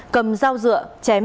cầm dao dựa chém